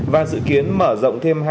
và dự kiến mở rộng thêm